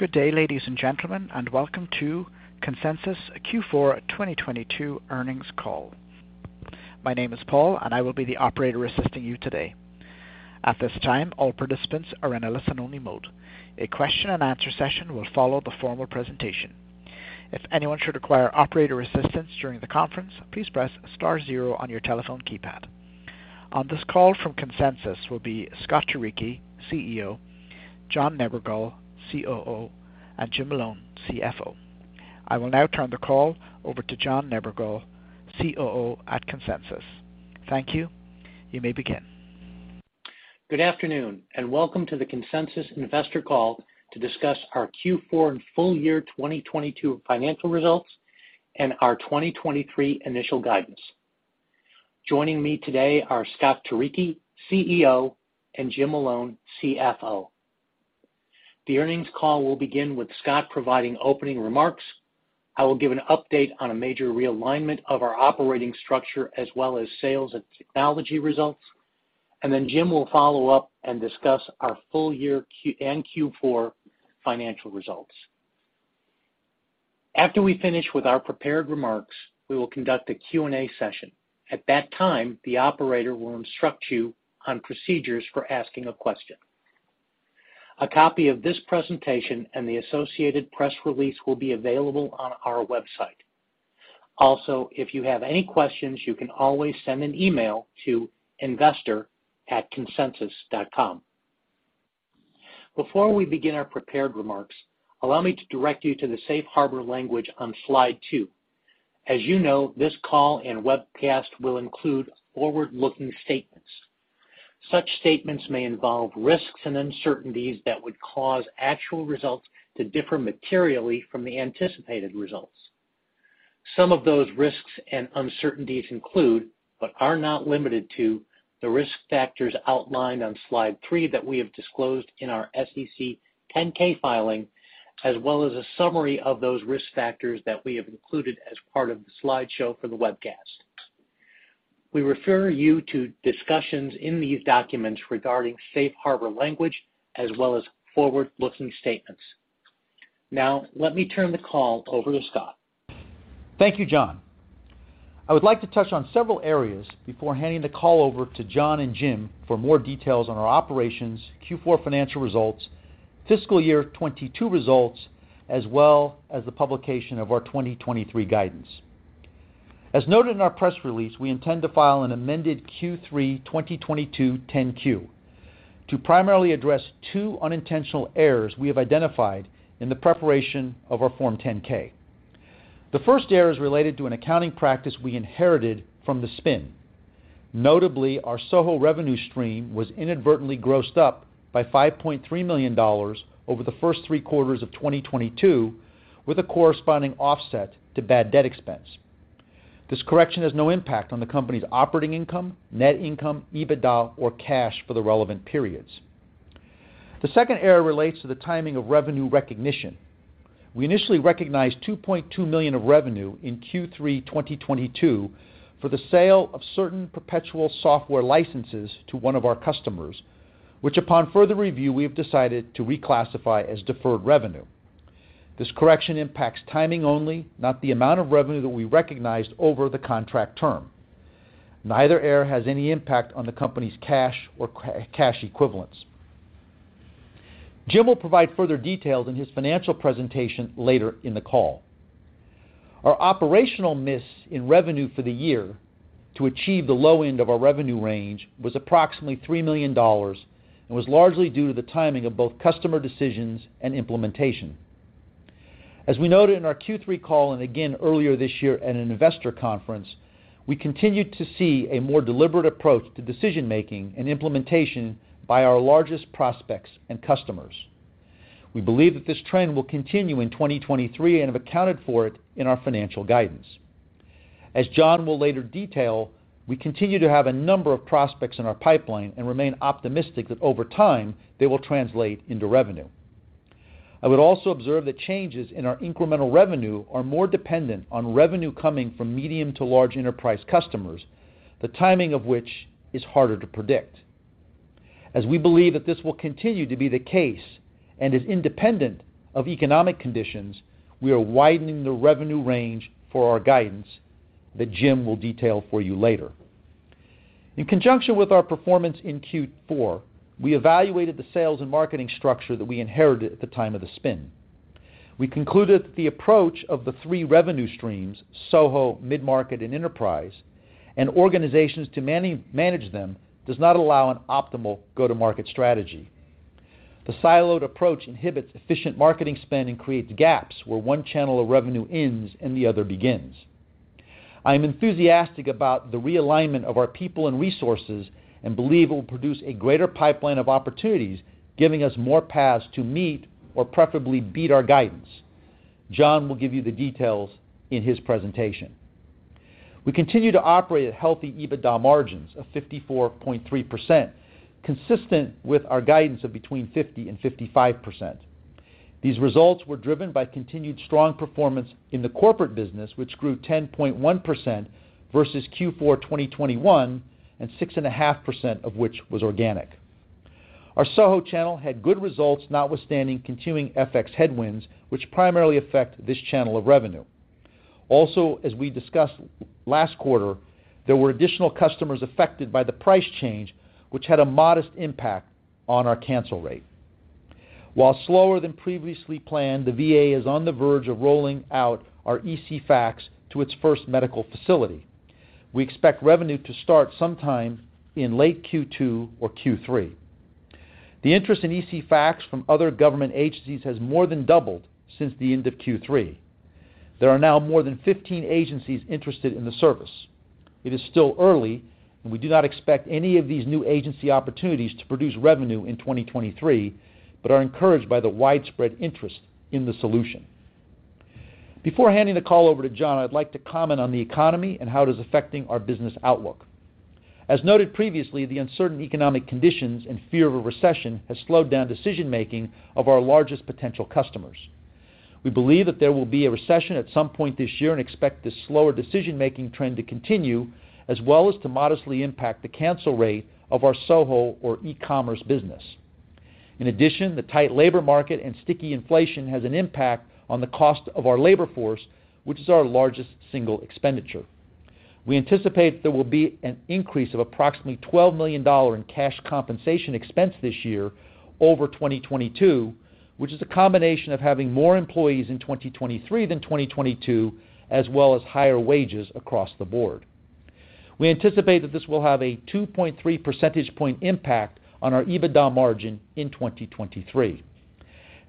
Good day, ladies and gentlemen, welcome to Consensus Q4 2022 Earnings Call. My name is Paul and I will be the operator assisting you today. At this time, all participants are in a listen-only mode. A question-and-answer session will follow the formal presentation. If anyone should require operator assistance during the conference, please press star zero on your telephone keypad. On this call from Consensus will be Scott Turicchi, CEO, John Nebergall, COO, and Jim Malone, CFO. I will now turn the call over to John Nebergall, COO at Consensus. Thank you. You may begin. Good afternoon, welcome to the Consensus investor call to discuss our Q4 and full-year 2022 financial results and our 2023 initial guidance. Joining me today are Scott Turicchi, CEO, and Jim Malone, CFO. The earnings call will begin with Scott providing opening remarks. I will give an update on a major realignment of our operating structure as well as sales and technology results, Jim will follow up and discuss our full-year and Q4 financial results. After we finish with our prepared remarks, we will conduct a Q&A session. At that time, the operator will instruct you on procedures for asking a question. A copy of this presentation and the associated press release will be available on our website. If you have any questions, you can always send an email to investor@Consensus.com. Before we begin our prepared remarks, allow me to direct you to the safe harbor language on slide two. You know, this call and webcast will include forward-looking statements. Such statements may involve risks and uncertainties that would cause actual results to differ materially from the anticipated results. Some of those risks and uncertainties include, but are not limited to, the risk factors outlined on slide three that we have disclosed in our SEC 10-K filing, as well as a summary of those risk factors that we have included as part of the slideshow for the webcast. We refer you to discussions in these documents regarding safe harbor language as well as forward-looking statements. Let me turn the call over to Scott. Thank you, John. I would like to touch on several areas before handing the call over to John and Jim for more details on our operations, Q4 financial results, fiscal year 22 results, as well as the publication of our 2023 guidance. As noted in our press release, we intend to file an amended Q3 2022 10-Q to primarily address two unintentional errors we have identified in the preparation of our form 10-K. The first error is related to an accounting practice we inherited from the spin. Notably, our SoHo revenue stream was inadvertently grossed up by $5.3 million over the first three quarters of 2022, with a corresponding offset to bad debt expense. This correction has no impact on the company's operating income, net income, EBITDA or cash for the relevant periods. The second error relates to the timing of revenue recognition. We initially recognized $2.2 million of revenue in Q3 2022 for the sale of certain perpetual software licenses to one of our customers, which, upon further review, we have decided to reclassify as deferred revenue. This correction impacts timing only, not the amount of revenue that we recognized over the contract term. Neither error has any impact on the company's cash or cash equivalents. Jim will provide further details in his financial presentation later in the call. Our operational miss in revenue for the year to achieve the low end of our revenue range was approximately $3 million and was largely due to the timing of both customer decisions and implementation. As we noted in our Q3 call, and again earlier this year at an investor conference, we continued to see a more deliberate approach to decision making and implementation by our largest prospects and customers. We believe that this trend will continue in 2023 and have accounted for it in our financial guidance. As John will later detail, we continue to have a number of prospects in our pipeline and remain optimistic that over time, they will translate into revenue. I would also observe that changes in our incremental revenue are more dependent on revenue coming from medium to large enterprise customers, the timing of which is harder to predict. As we believe that this will continue to be the case and is independent of economic conditions, we are widening the revenue range for our guidance that Jim will detail for you later. In conjunction with our performance in Q4, we evaluated the sales and marketing structure that we inherited at the time of the spin. We concluded that the approach of the three revenue streams, SoHo, mid-market and enterprise, and organizations to manage them, does not allow an optimal go-to-market strategy. The siloed approach inhibits efficient marketing spend and creates gaps where one channel of revenue ends and the other begins. I am enthusiastic about the realignment of our people and resources, believe it will produce a greater pipeline of opportunities, giving us more paths to meet or preferably beat our guidance. John will give you the details in his presentation. We continue to operate at healthy EBITDA margins of 54.3%, consistent with our guidance of between 50% and 55%. These results were driven by continued strong performance in the corporate business, which grew 10.1% versus Q4 2021. six and a half percent of which was organic. Our SoHo channel had good results, notwithstanding continuing FX headwinds, which primarily affect this channel of revenue. Also, as we discussed last quarter, there were additional customers affected by the price change, which had a modest impact on our cancel rate. While slower than previously planned, the VA is on the verge of rolling out our ECFax to its first medical facility. We expect revenue to start sometime in late Q2 or Q3. The interest in ECFax from other government agencies has more than doubled since the end of Q3. There are now more than 15 agencies interested in the service. It is still early, we do not expect any of these new agency opportunities to produce revenue in 2023, but are encouraged by the widespread interest in the solution. Before handing the call over to John, I'd like to comment on the economy and how it is affecting our business outlook. As noted previously, the uncertain economic conditions and fear of a recession has slowed down decision-making of our largest potential customers. We believe that there will be a recession at some point this year and expect this slower decision-making trend to continue, as well as to modestly impact the cancel rate of our SoHo or e-commerce business. In addition, the tight labor market and sticky inflation has an impact on the cost of our labor force, which is our largest single expenditure. We anticipate there will be an increase of approximately $12 million in cash compensation expense this year over 2022, which is a combination of having more employees in 2023 than 2022, as well as higher wages across the board. We anticipate that this will have a 2.3 percentage point impact on our EBITDA margin in 2023.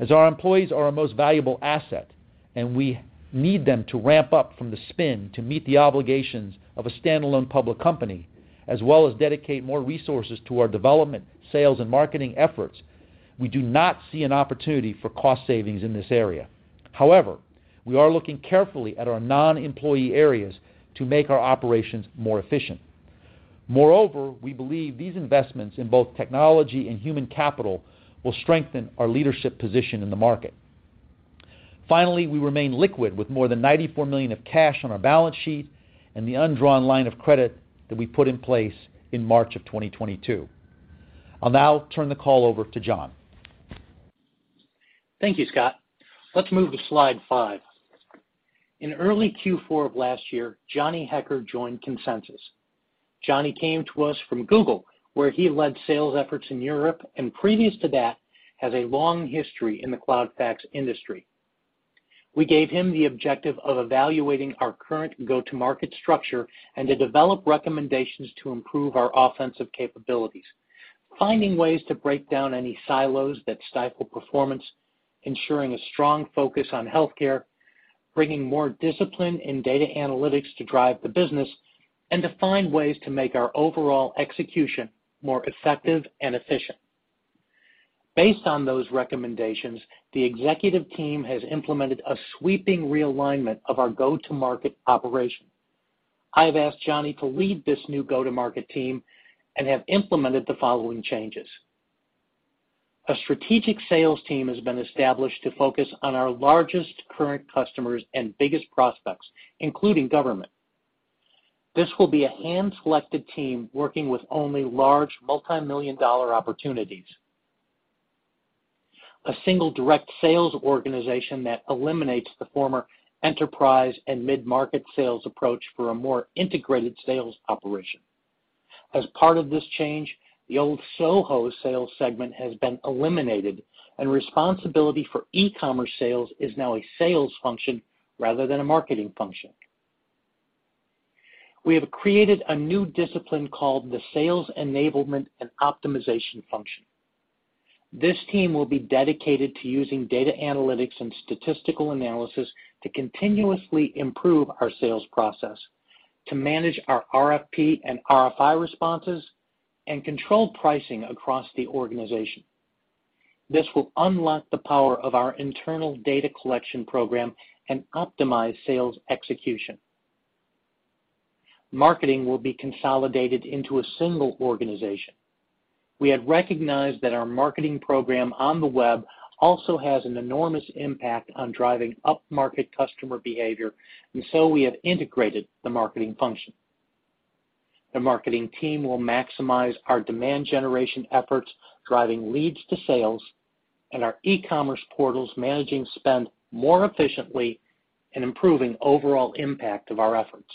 Our employees are our most valuable asset, and we need them to ramp up from the spin to meet the obligations of a standalone public company, as well as dedicate more resources to our development, sales, and marketing efforts, we do not see an opportunity for cost savings in this area. We are looking carefully at our non-employee areas to make our operations more efficient. We believe these investments in both technology and human capital will strengthen our leadership position in the market. Finally, we remain liquid with more than $94 million of cash on our balance sheet and the undrawn line of credit that we put in place in March of 2022. I'll now turn the call over to John. Thank you, Scott. Let's move to slide five. In early Q4 of last year, Johnny Hecker joined Consensus. Johnny came to us from Google, where he led sales efforts in Europe, and previous to that, has a long history in the cloud fax industry. We gave him the objective of evaluating our current go-to-market structure and to develop recommendations to improve our offensive capabilities, finding ways to break down any silos that stifle performance, ensuring a strong focus on healthcare, bringing more discipline in data analytics to drive the business, and to find ways to make our overall execution more effective and efficient. Based on those recommendations, the executive team has implemented a sweeping realignment of our go-to-market operation. I have asked Johnny to lead this new go-to-market team and have implemented the following changes. A strategic sales team has been established to focus on our largest current customers and biggest prospects, including government. This will be a hand-selected team working with only large multi-million-dollar opportunities. A single direct sales organization that eliminates the former enterprise and mid-market sales approach for a more integrated sales operation. As part of this change, the old SoHo sales segment has been eliminated, and responsibility for e-commerce sales is now a sales function rather than a marketing function. We have created a new discipline called the Sales Enablement and Optimization Function. This team will be dedicated to using data analytics and statistical analysis to continuously improve our sales process, to manage our RFP and RFI responses, and control pricing across the organization. This will unlock the power of our internal data collection program and optimize sales execution. Marketing will be consolidated into a single organization. We have recognized that our marketing program on the web also has an enormous impact on driving upmarket customer behavior, and so we have integrated the marketing function. The marketing team will maximize our demand generation efforts, driving leads to sales, and our e-commerce portals managing spend more efficiently and improving overall impact of our efforts.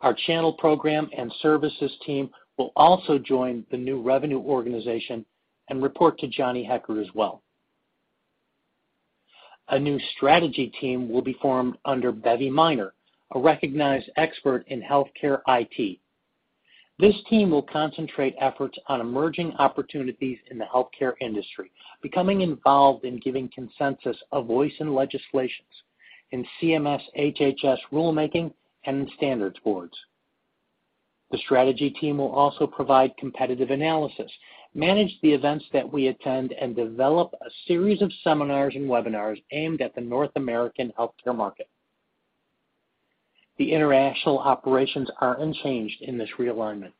Our channel program and services team will also join the new revenue organization and report to Johnny Hecker as well. A new strategy team will be formed under Bevy Minor, a recognized expert in healthcare IT. This team will concentrate efforts on emerging opportunities in the healthcare industry, becoming involved in giving Consensus a voice in legislations, in CMS, HHS rulemaking, and in standards boards. The strategy team will also provide competitive analysis, manage the events that we attend, and develop a series of seminars and webinars aimed at the North American healthcare market. The international operations are unchanged in this realignment.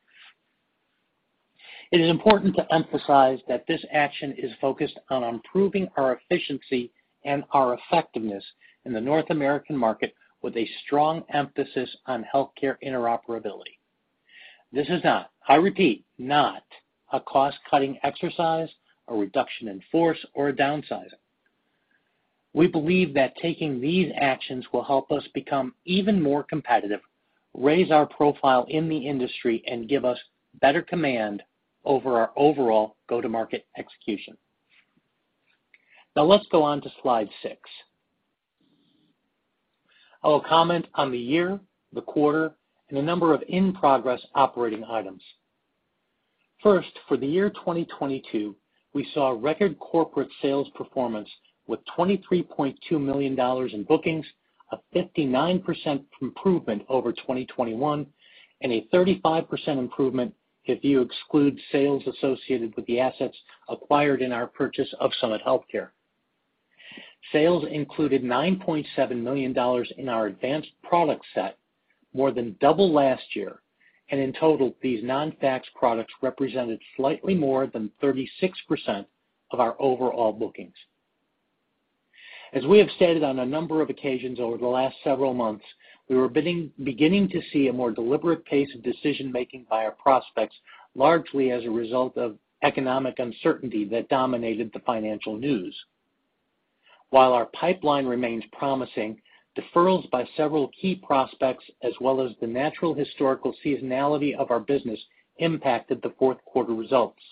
It is important to emphasize that this action is focused on improving our efficiency and our effectiveness in the North American market with a strong emphasis on healthcare interoperability. This is not, I repeat, not a cost-cutting exercise or reduction in force or a downsizing. We believe that taking these actions will help us become even more competitive, raise our profile in the industry, and give us better command over our overall go-to-market execution. Let's go on to slide six. I will comment on the year, the quarter, and a number of in-progress operating items. First, for the year 2022, we saw record corporate sales performance with $23.2 million in bookings, a 59% improvement over 2021, and a 35% improvement if you exclude sales associated with the assets acquired in our purchase of Summit Healthcare. Sales included $9.7 million in our advanced product set, more than double last year. In total, these non-fax products represented slightly more than 36% of our overall bookings. As we have stated on a number of occasions over the last several months, we were beginning to see a more deliberate pace of decision-making by our prospects, largely as a result of economic uncertainty that dominated the financial news. While our pipeline remains promising, deferrals by several key prospects as well as the natural historical seasonality of our business impacted the fourth quarter results.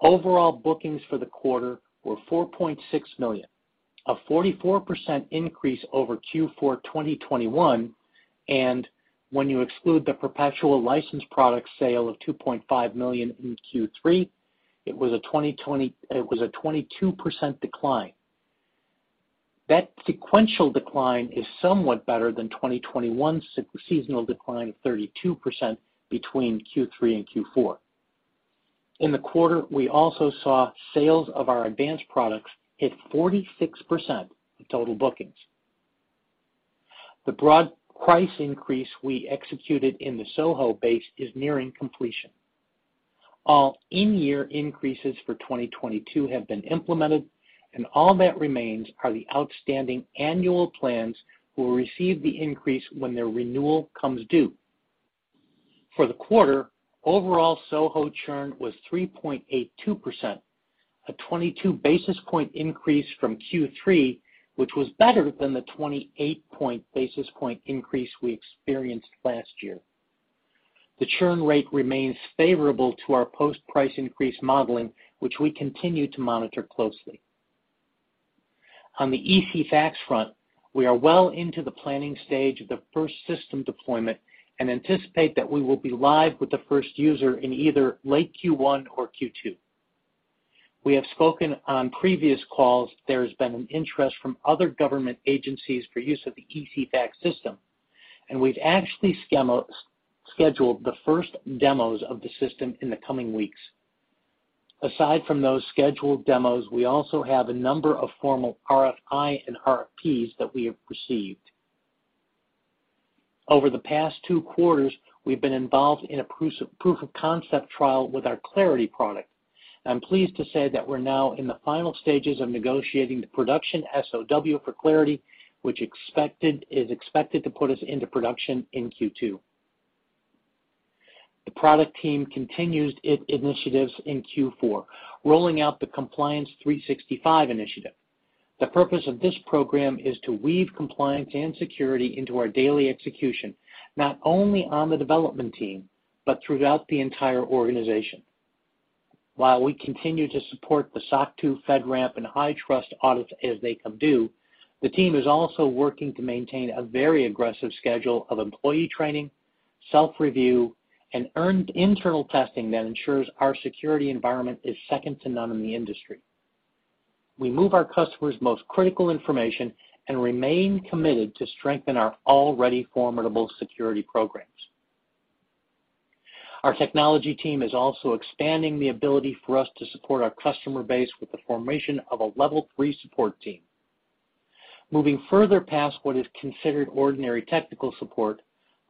Overall bookings for the quarter were $4.6 million, a 44% increase over Q4 2021, and when you exclude the perpetual license product sale of $2.5 million in Q3, it was a 22% decline. That sequential decline is somewhat better than 2021's seasonal decline of 32% between Q3 and Q4. In the quarter, we also saw sales of our advanced products hit 46% of total bookings. The broad price increase we executed in the SoHo base is nearing completion. All in-year increases for 2022 have been implemented, and all that remains are the outstanding annual plans who will receive the increase when their renewal comes due. For the quarter, overall SoHo churn was 3.82%, a 22 basis point increase from Q3, which was better than the 28 basis point increase we experienced last year. The churn rate remains favorable to our post-price increase modeling, which we continue to monitor closely. On the ECFax front, we are well into the planning stage of the first system deployment and anticipate that we will be live with the first user in either late Q1 or Q2. We have spoken on previous calls there has been an interest from other government agencies for use of the ECFax system, and we've actually scheduled the first demos of the system in the coming weeks. Aside from those scheduled demos, we also have a number of formal RFI and RFPs that we have received. Over the past two quarters, we've been involved in a proof of concept trial with our Clarity product. I'm pleased to say that we're now in the final stages of negotiating the production SOW for Clarity, which is expected to put us into production in Q2. The product team continues its initiatives in Q4, rolling out the Compliance 365 initiative. The purpose of this program is to weave compliance and security into our daily execution, not only on the development team, but throughout the entire organization. While we continue to support the SOC 2 FedRAMP and HITRUST audits as they come due, the team is also working to maintain a very aggressive schedule of employee training, self-review, and internal testing that ensures our security environment is second to none in the industry. We move our customers' most critical information and remain committed to strengthen our already formidable security programs. Our technology team is also expanding the ability for us to support our customer base with the formation of a Level 3 support team. Moving further past what is considered ordinary technical support,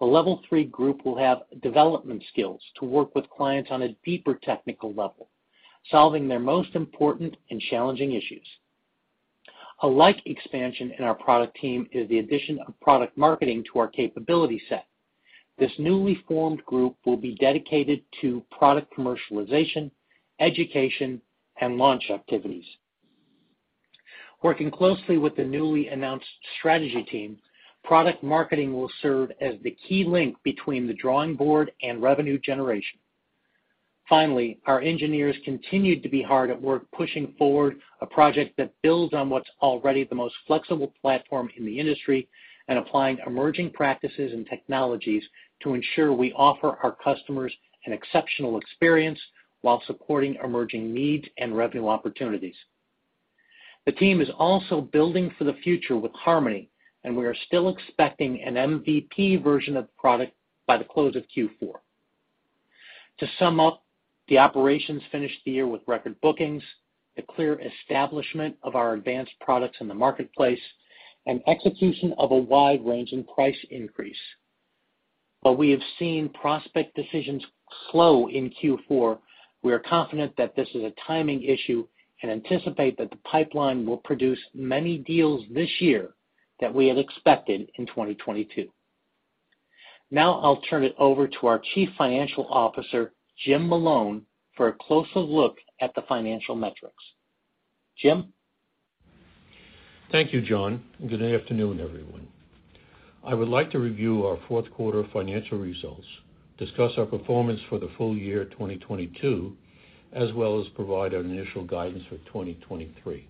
the Level three group will have development skills to work with clients on a deeper technical level, solving their most important and challenging issues. A like expansion in our product team is the addition of product marketing to our capability set. This newly formed group will be dedicated to product commercialization, education, and launch activities. Working closely with the newly announced strategy team, product marketing will serve as the key link between the drawing board and revenue generation. Finally, our engineers continued to be hard at work, pushing forward a project that builds on what's already the most flexible platform in the industry and applying emerging practices and technologies to ensure we offer our customers an exceptional experience while supporting emerging needs and revenue opportunities. The team is also building for the future with Harmony, we are still expecting an MVP version of the product by the close of Q4. To sum up, the operations finished the year with record bookings. The clear establishment of our advanced products in the marketplace and execution of a wide range in price increase. While we have seen prospect decisions slow in Q4, we are confident that this is a timing issue and anticipate that the pipeline will produce many deals this year that we had expected in 2022. I'll turn it over to our Chief Financial Officer, Jim Malone, for a closer look at the financial metrics. Jim. Thank you, John. Good afternoon, everyone. I would like to review our fourth quarter financial results, discuss our performance for the full-year 2022, as well as provide our initial guidance for 2023.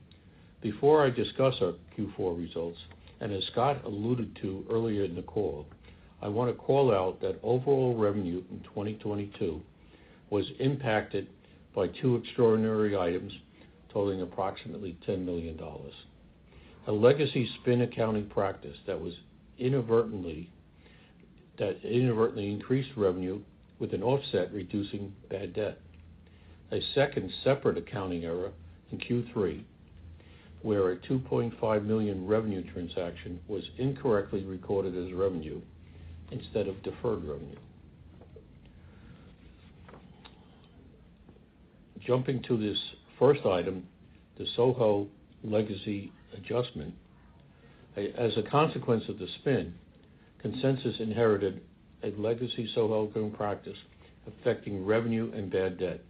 Before I discuss our Q4 results, as Scott alluded to earlier in the call, I wanna call out that overall revenue in 2022 was impacted by two extraordinary items totaling approximately $10 million. A legacy spin accounting practice that inadvertently increased revenue with an offset reducing bad debt. A second separate accounting error in Q3, where a $2.5 million revenue transaction was incorrectly recorded as revenue instead of deferred revenue. Jumping to this first item, the SoHo legacy adjustment. As a consequence of the spin, Consensus inherited a legacy SoHo accounting practice affecting revenue and bad debt.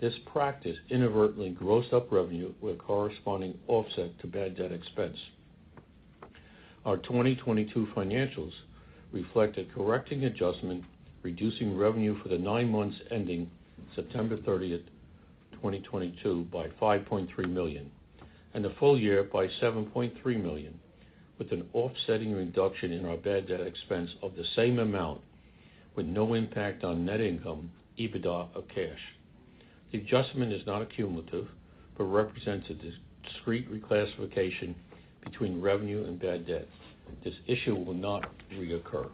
This practice inadvertently grossed up revenue with corresponding offset to bad debt expense. Our 2022 financials reflect a correcting adjustment, reducing revenue for the nine months ending September 30th, 2022 by $5.3 million, and the full-year by $7.3 million, with an offsetting reduction in our bad debt expense of the same amount with no impact on net income, EBITDA, or cash. The adjustment is not cumulative, but represents a discrete reclassification between revenue and bad debt. This issue will not reoccur.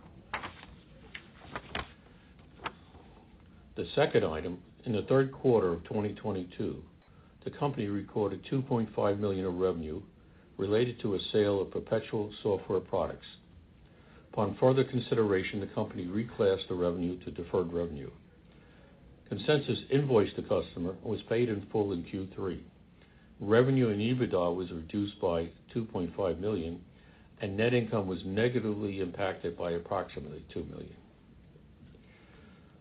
The second item, in the third quarter of 2022, Consensus recorded $2.5 million of revenue related to a sale of perpetual software products. Upon further consideration, Consensus reclassed the revenue to deferred revenue. Consensus invoiced the customer and was paid in full in Q3. Revenue and EBITDA was reduced by $2.5 million, and net income was negatively impacted by approximately $2 million.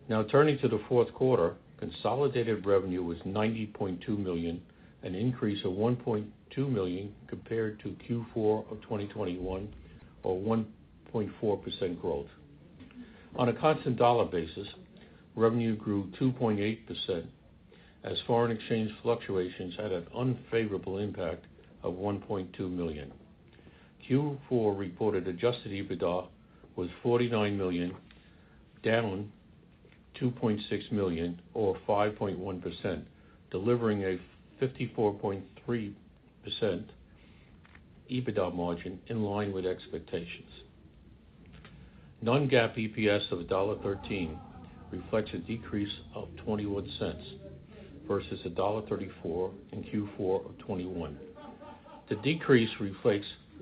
Now turning to the fourth quarter, consolidated revenue was $90.2 million, an increase of $1.2 million compared to Q4 of 2021 or 1.4% growth. On a constant dollar basis, revenue grew 2.8% as foreign exchange fluctuations had an unfavorable impact of $1.2 million. Q4 reported adjusted EBITDA was $49 million, down $2.6 million or 5.1%, delivering a 54.3% EBITDA margin in line with expectations. non-GAAP EPS of $1.13 reflects a decrease of $0.21 versus $1.34 in Q4 of 2021. The decrease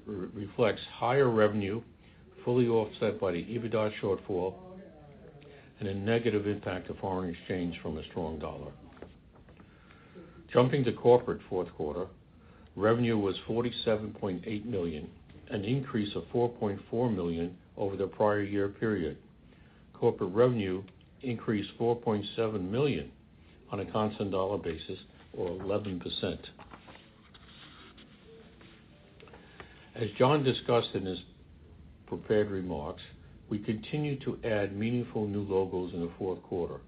reflects higher revenue, fully offset by the EBITDA shortfall and a negative impact of foreign exchange from a strong dollar. Corporate fourth quarter, revenue was $47.8 million, an increase of $4.4 million over the prior year period. Corporate revenue increased $4.7 million on a constant dollar basis or 11%. As John discussed in his prepared remarks, we continued to add meaningful new logos in the fourth quarter,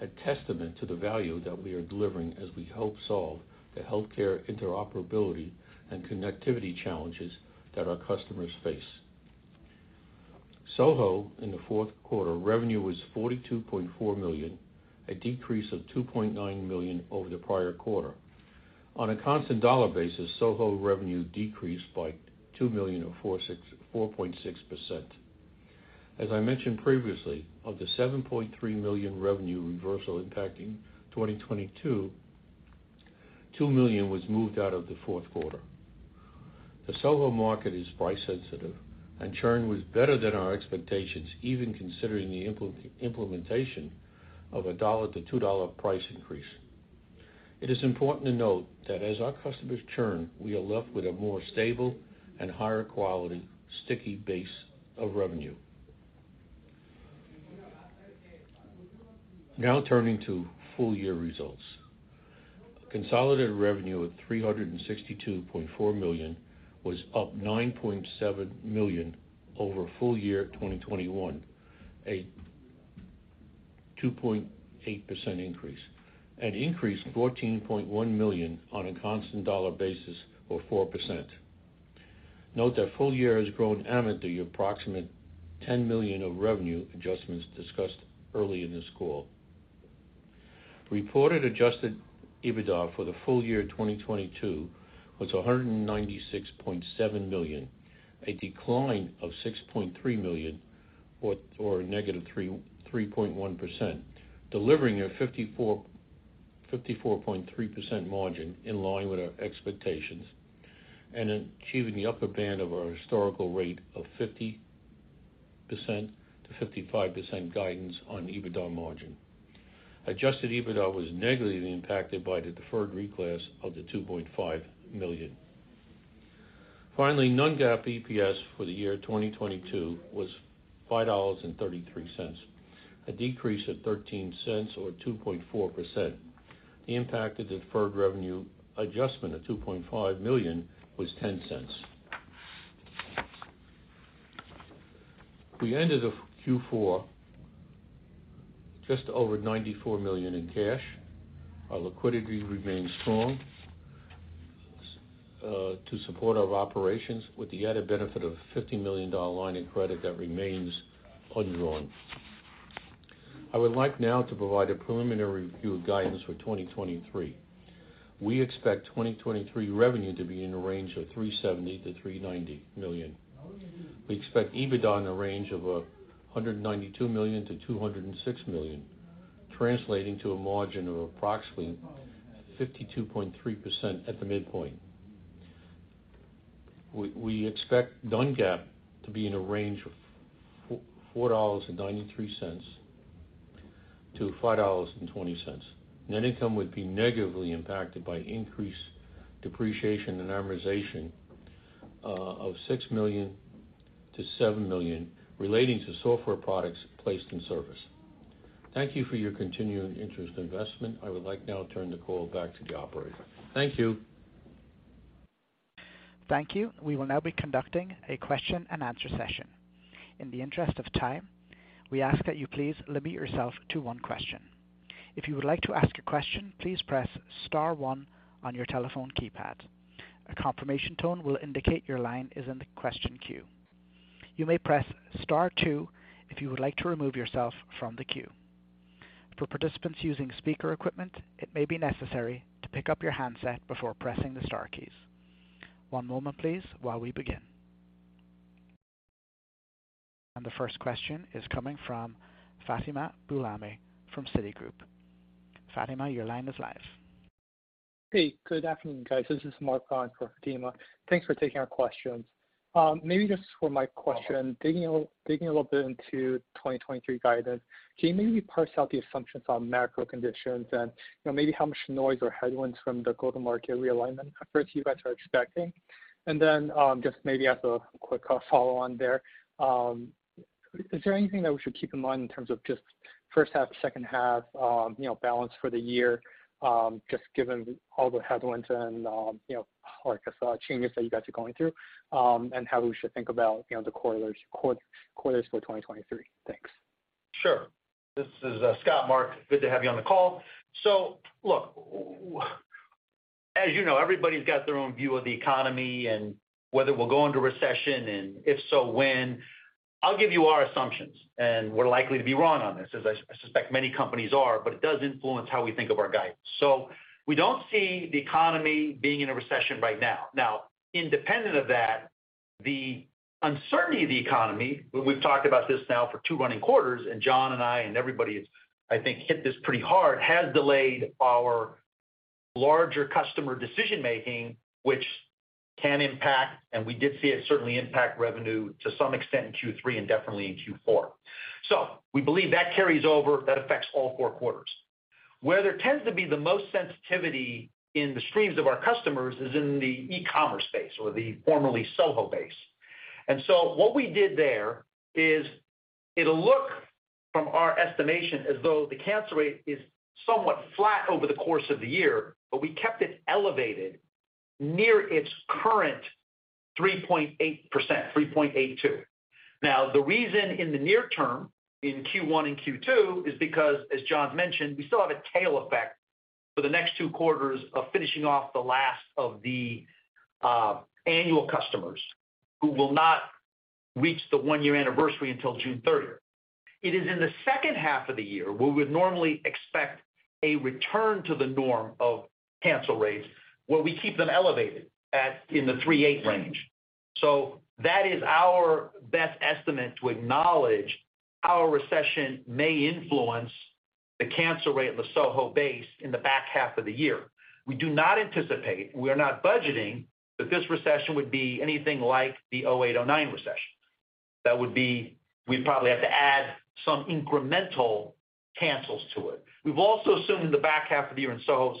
a testament to the value that we are delivering as we help solve the healthcare interoperability and connectivity challenges that our customers face. SoHo in the fourth quarter, revenue was $42.4 million, a decrease of $2.9 million over the prior quarter. On a constant dollar basis, SoHo revenue decreased by $2 million or 4.6%. As I mentioned previously, of the $7.3 million revenue reversal impacting 2022, $2 million was moved out of the fourth quarter. The SoHo market is price sensitive, and churn was better than our expectations, even considering the implementation of a $1-$2 price increase. It is important to note that as our customers churn, we are left with a more stable and higher quality sticky base of revenue. Now turning to full-year results. Consolidated revenue of $362.4 million was up $9.7 million over full-year 2021, a 2.8% increase, and increased $14.1 million on a constant dollar basis or 4%. Note that full-year has grown $10 million of revenue adjustments discussed early in this call. Reported adjusted EBITDA for the full-year 2022 was $196.7 million, a decline of $6.3 million. Negative 3.1%, delivering a 54.3% margin in line with our expectations and achieving the upper band of our historical rate of 50%-55% guidance on EBITDA margin. Adjusted EBITDA was negatively impacted by the deferred reclass of the $2.5 million. Finally, non-GAAP EPS for the year 2022 was $5.33, a decrease of $0.13 or 2.4%. The impact of the deferred revenue adjustment of $2.5 million was $0.10. We ended the Q4 just over $94 million in cash. Our liquidity remains strong to support our operations with the added benefit of a $50 million line of credit that remains undrawn. I would like now to provide a preliminary review of guidance for 2023. We expect 2023 revenue to be in a range of $370 million-$390 million. We expect EBITDA in the range of $192 million-$206 million, translating to a margin of approximately 52.3% at the midpoint. We expect Non-GAAP to be in a range of $4.93-$5.20. Net income would be negatively impacted by increased depreciation and amortization of $6 million-$7 million relating to software products placed in service. Thank you for your continuing interest investment. I would like now to turn the call back to the operator. Thank you. Thank you. We will now be conducting a question and answer session. In the interest of time, we ask that you please limit yourself to one question. If you would like to ask a question, please press star one on your telephone keypad. A confirmation tone will indicate your line is in the question queue. You may press star two if you would like to remove yourself from the queue. For participants using speaker equipment, it may be necessary to pick up your handset before pressing the star keys. One moment please while we begin. The first question is coming from Fatima Boolani from Citigroup. Fatima, your line is live. Hey, good afternoon, guys. This is Mark on for Fatima. Thanks for taking our questions. Maybe just for my question, digging a little bit into 2023 guidance, can you maybe parse out the assumptions on macro conditions and, you know, maybe how much noise or headwinds from the go-to-market realignment efforts you guys are expecting? Just maybe as a quick follow on there, is there anything that we should keep in mind in terms of just first half, second half, you know, balance for the year, just given all the headwinds and, you know, like I said, changes that you guys are going through, and how we should think about, you know, the quarters for 2023? Thanks. Sure. This is Scott, Mark. Good to have you on the call. Look, as you know, everybody's got their own view of the economy and whether we'll go into recession, and if so, when. I'll give you our assumptions, and we're likely to be wrong on this, as I suspect many companies are, but it does influence how we think of our guidance. We don't see the economy being in a recession right now. Now, independent of that, the uncertainty of the economy, we've talked about this now for two running quarters, and John and I and everybody has, I think, hit this pretty hard, has delayed our larger customer decision-making, which can impact, and we did see it certainly impact revenue to some extent in Q3 and definitely in Q4. We believe that carries over, that affects all four quarters. Where there tends to be the most sensitivity in the streams of our customers is in the e-commerce space or the formerly SoHo base. What we did there is it'll look from our estimation as though the cancel rate is somewhat flat over the course of the year, but we kept it elevated near its current 3.8%, 3.82. Now, the reason in the near term in Q1 and Q2 is because, as John's mentioned, we still have a tail effect for the next two quarters of finishing off the last of the annual customers who will not reach the one-year anniversary until June 30th. It is in the second half of the year where we'd normally expect a return to the norm of cancel rates, where we keep them elevated at in the 3.8 range. That is our best estimate to acknowledge how a recession may influence the cancel rate of the SoHo base in the back half of the year. We do not anticipate, we are not budgeting that this recession would be anything like the 2008, 2009 recession. That would be, we'd probably have to add some incremental cancels to it. We've also assumed in the back half of the year in SoHo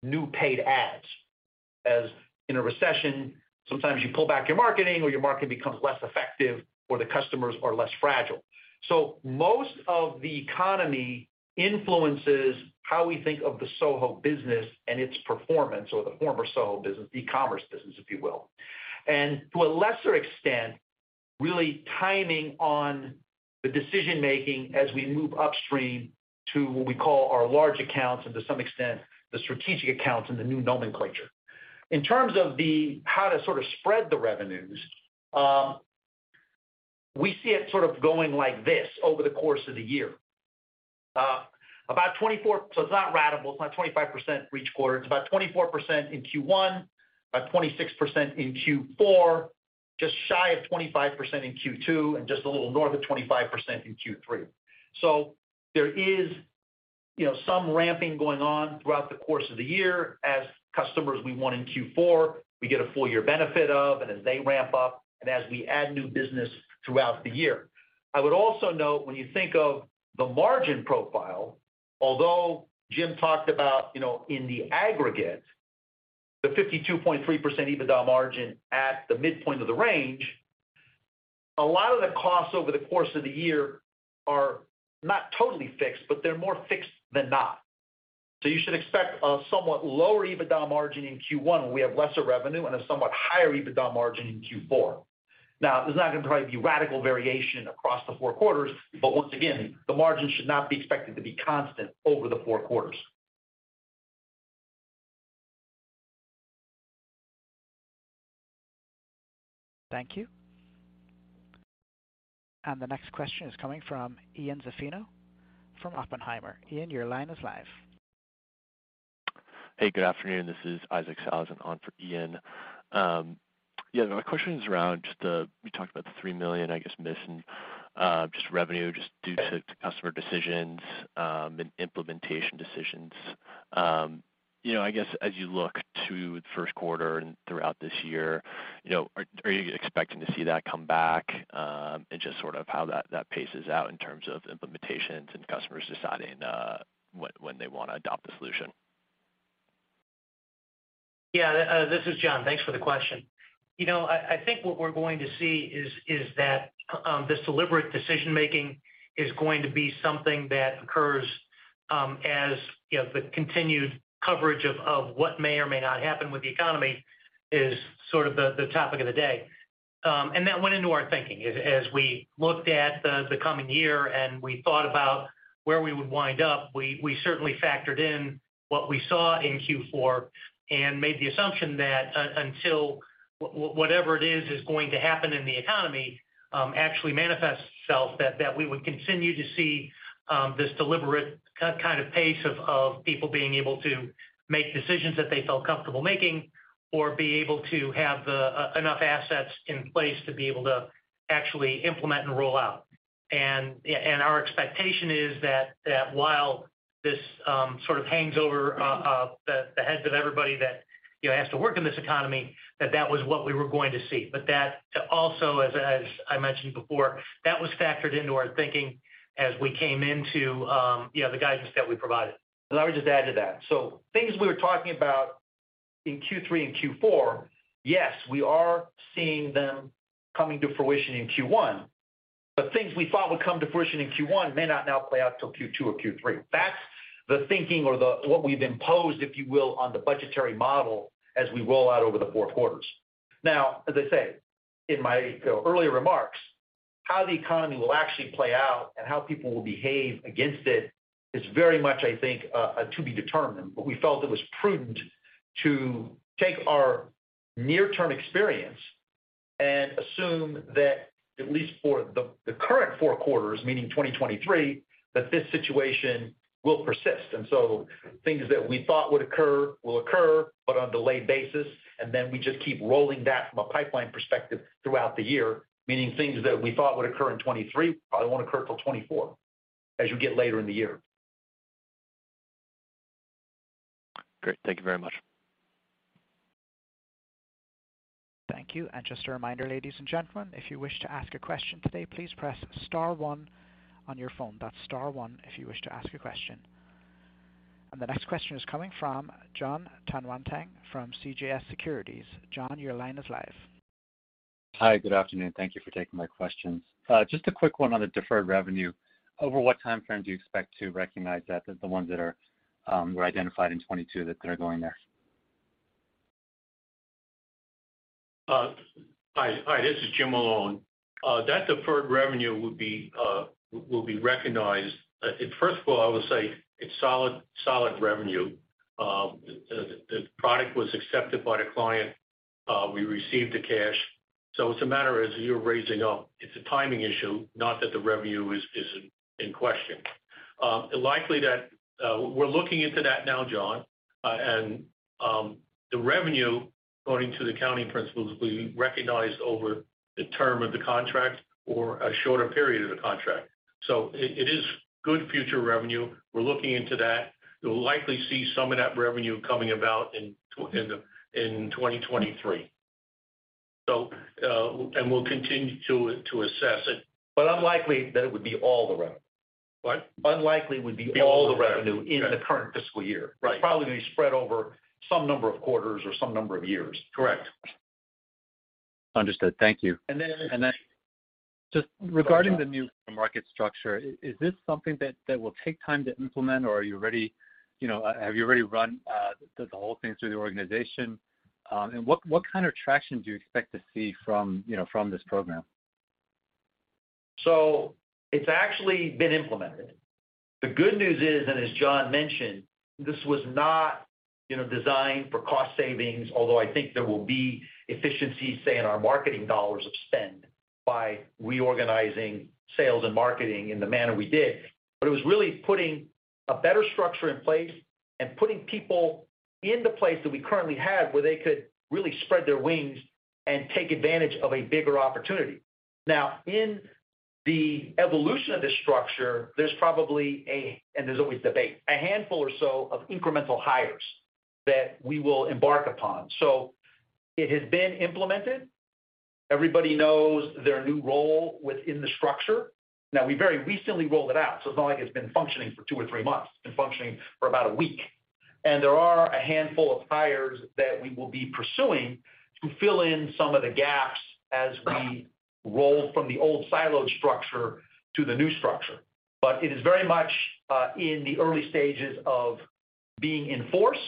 somewhat lesser new paid ads, as in a recession, sometimes you pull back your marketing or your marketing becomes less effective or the customers are less fragile. Most of the economy influences how we think of the SoHo business and its performance or the former SoHo business, e-commerce business, if you will. To a lesser extent, really timing on the decision making as we move upstream to what we call our large accounts and to some extent the strategic accounts in the new nomenclature. In terms of the how to sort of spread the revenues, we see it sort of going like this over the course of the year. It's not ratable, it's not 25% for each quarter. It's about 24% in Q1, about 26% in Q4, just shy of 25% in Q2, and just a little north of 25% in Q3. There is, you know, some ramping going on throughout the course of the year. As customers we won in Q4, we get a full-year benefit of, and as they ramp up, and as we add new business throughout the year. I would also note, when you think of the margin profile, although Jim talked about, you know, in the aggregate, the 52.3% EBITDA margin at the midpoint of the range, a lot of the costs over the course of the year are not totally fixed, but they're more fixed than not. You should expect a somewhat lower EBITDA margin in Q1 when we have lesser revenue and a somewhat higher EBITDA margin in Q4. Now, there's not gonna probably be radical variation across the four quarters, but once again, the margins should not be expected to be constant over the four quarters. Thank you. The next question is coming from Ian Zaffino from Oppenheimer. Ian, your line is live. Hey, good afternoon. This is Isaac Saulson on for Ian. My question is around you talked about the $3 million, I guess, missing revenue just due to customer decisions and implementation decisions. You know, I guess as you look to the first quarter and throughout this year, you know, are you expecting to see that come back and just sort of how that paces out in terms of implementations and customers deciding when they wanna adopt the solution? Yeah, this is John. Thanks for the question. You know, I think what we're going to see is that, this deliberate decision-making is going to be something that occurs, as, you know, the continued coverage of what may or may not happen with the economy is sort of the topic of the day. That went into our thinking. As we looked at the coming year and we thought about where we would wind up, we certainly factored in what we saw in Q4 and made the assumption that until whatever it is is going to happen in the economy, actually manifests itself, that we would continue to see this deliberate kind of pace of people being able to make decisions that they felt comfortable making or be able to have the enough assets in place to be able to actually implement and roll out. Our expectation is that while this sort of hangs over the heads of everybody that, you know, has to work in this economy, that was what we were going to see. That also, as I mentioned before, that was factored into our thinking as we came into, you know, the guidance that we provided. I would just add to that. Things we were talking about in Q3 and Q4, yes, we are seeing them coming to fruition in Q1. The things we thought would come to fruition in Q1 may not now play out till Q2 or Q3. That's the thinking or the what we've imposed, if you will, on the budgetary model as we roll out over the four quarters. As I say, in my, you know, earlier remarks, how the economy will actually play out and how people will behave against it is very much, I think, to be determined. We felt it was prudent to take our near-term experience and assume that at least for the current four quarters, meaning 2023, that this situation will persist. Things that we thought would occur will occur, but on a delayed basis, and then we just keep rolling that from a pipeline perspective throughout the year, meaning things that we thought would occur in 23 probably won't occur till 24 as you get later in the year. Great. Thank you very much. Thank you. Just a reminder, ladies and gentlemen, if you wish to ask a question today, please press star one on your phone. That's star one if you wish to ask a question. The next question is coming from John Tanwanteng from CJS Securities. John, your line is live. Hi, good afternoon. Thank you for taking my questions. Just a quick one on the deferred revenue. Over what timeframe do you expect to recognize that the ones that are were identified in 22 that are going there? Hi. Hi, this is Jim Malone. That deferred revenue would be, will be recognized, first of all, I would say it's solid revenue. The product was accepted by the client. We received the cash. It's a matter as you're raising up, it's a timing issue, not that the revenue is in question. Likely that we're looking into that now, John. The revenue, according to the accounting principles, will be recognized over the term of the contract or a shorter period of the contract. It is good future revenue. We're looking into that. You'll likely see some of that revenue coming about in 2023. We'll continue to assess it. Unlikely that it would be all the revenue. What? Unlikely it would be all the revenue. Be all the revenue. Right. in the current fiscal year. Right. It's probably gonna be spread over some number of quarters or some number of years. Correct. Understood. Thank you. And then- Just regarding the new market structure, is this something that will take time to implement, or are you already, you know, have you already run the whole thing through the organization? What kind of traction do you expect to see from, you know, from this program? It's actually been implemented. The good news is, and as John mentioned, this was not, you know, designed for cost savings, although I think there will be efficiencies, say, in our marketing dollars of spend. By reorganizing sales and marketing in the manner we did. It was really putting a better structure in place and putting people in the place that we currently have where they could really spread their wings and take advantage of a bigger opportunity. In the evolution of this structure, there's probably a-- and there's always debate, a handful or so of incremental hires that we will embark upon. It has been implemented. Everybody knows their new role within the structure. We very recently rolled it out, so it's not like it's been functioning for two or three months. It's been functioning for about one week. There are a handful of hires that we will be pursuing to fill in some of the gaps as we roll from the old siloed structure to the new structure. It is very much in the early stages of being in force.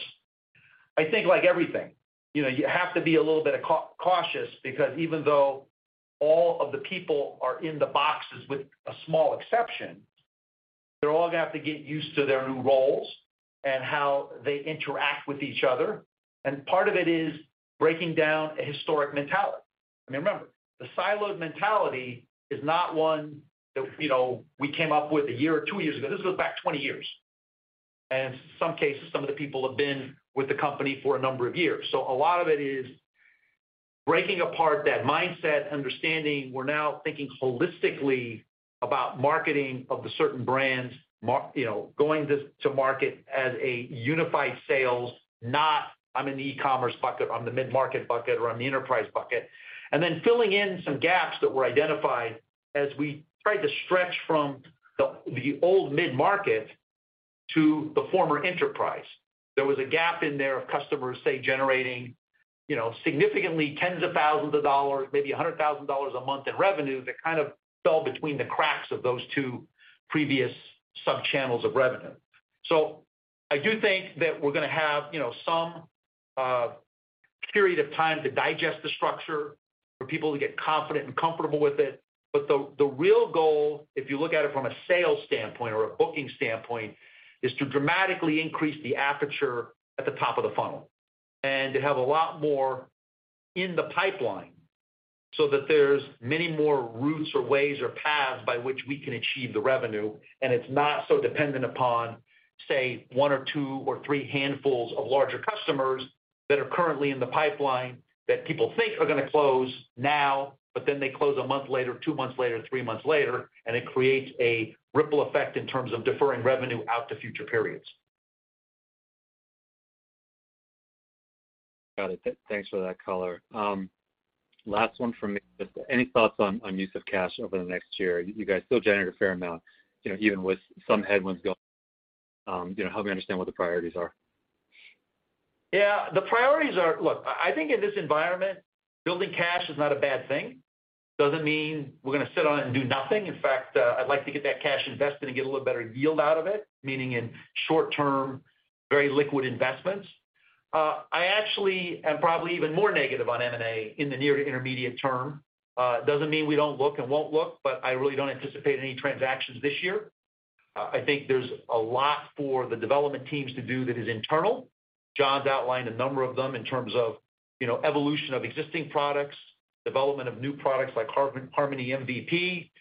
I think like everything, you know, you have to be a little bit cautious because even though all of the people are in the boxes with a small exception, they're all gonna have to get used to their new roles and how they interact with each other. Part of it is breaking down a historic mentality. I mean, remember, the siloed mentality is not one that, you know, we came up with a year or two years ago. This goes back 20 years. In some cases, some of the people have been with the company for a number of years. A lot of it is breaking apart that mindset, understanding we're now thinking holistically about marketing of the certain brands, you know, going to market as a unified sales, not I'm in the e-commerce bucket, I'm the mid-market bucket, or I'm the enterprise bucket. Then filling in some gaps that were identified as we tried to stretch from the old mid-market to the former enterprise. There was a gap in there of customers, say, generating, you know, significantly tens of thousands of dollars, maybe $100,000 a month in revenue that kind of fell between the cracks of those two previous subchannels of revenue. I do think that we're gonna have, you know, some period of time to digest the structure for people to get confident and comfortable with it. The real goal, if you look at it from a sales standpoint or a booking standpoint, is to dramatically increase the aperture at the top of the funnel and to have a lot more in the pipeline so that there's many more routes or ways or paths by which we can achieve the revenue. It's not so dependent upon, say, one or two or three handfuls of larger customers that are currently in the pipeline that people think are gonna close now, but then they close a month later, two months later, three months later, and it creates a ripple effect in terms of deferring revenue out to future periods. Got it. Thanks for that color. Last one from me. Just any thoughts on use of cash over the next year? You guys still generate a fair amount, you know, even with some headwinds going, you know, help me understand what the priorities are. Yeah. The priorities are... Look, I think in this environment, building cash is not a bad thing. Doesn't mean we're gonna sit on it and do nothing. In fact, I'd like to get that cash invested and get a little better yield out of it, meaning in short term, very liquid investments. I actually am probably even more negative on M&A in the near to intermediate term. It doesn't mean we don't look and won't look, but I really don't anticipate any transactions this year. I think there's a lot for the development teams to do that is internal. John's outlined a number of them in terms of, you know, evolution of existing products, development of new products like Harmony MVP,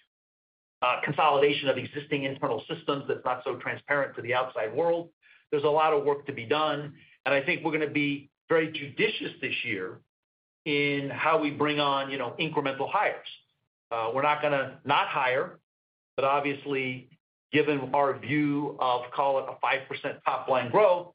consolidation of existing internal systems that's not so transparent to the outside world. There's a lot of work to be done. I think we're gonna be very judicious this year in how we bring on, you know, incremental hires. We're not gonna not hire, but obviously, given our view of, call it, a 5% top line growth,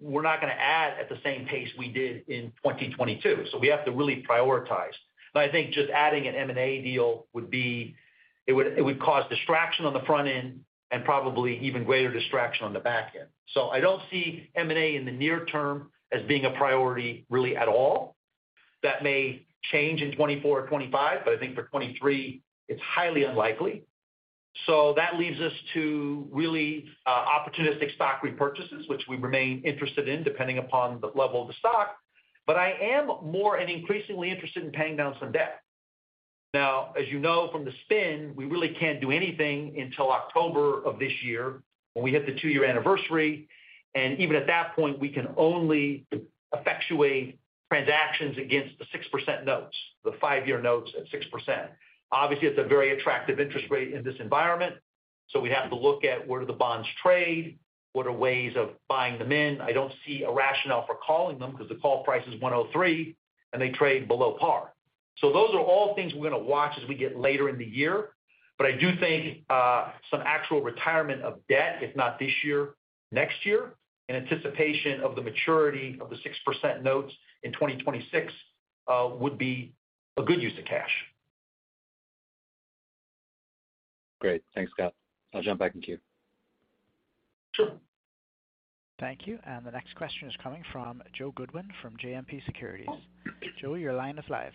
we're not gonna add at the same pace we did in 2022. We have to really prioritize. I think just adding an M&A deal it would cause distraction on the front end and probably even greater distraction on the back end. I don't see M&A in the near term as being a priority really at all. That may change in 2024 or 2025, but I think for 2023, it's highly unlikely. That leaves us to really, opportunistic stock repurchases, which we remain interested in depending upon the level of the stock. I am more and increasingly interested in paying down some debt. Now, as you know from the spin, we really can't do anything until October of this year when we hit the two-year anniversary. Even at that point, we can only effectuate transactions against the 6% notes, the five-year notes at 6%. Obviously, it's a very attractive interest rate in this environment, we have to look at where do the bonds trade, what are ways of buying them in. I don't see a rationale for calling them because the call price is 103 and they trade below par. Those are all things we're gonna watch as we get later in the year. I do think, some actual retirement of debt, if not this year, next year, in anticipation of the maturity of the 6% notes in 2026, would be a good use of cash. Great. Thanks, Scott. I'll jump back in queue. Sure. Thank you. The next question is coming from Joe Goodwin from JMP Securities. Joe, your line is live.